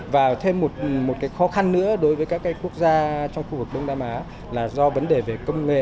và thêm một khó khăn nữa đối với các quốc gia trong khu vực đông nam á là do vấn đề về công nghệ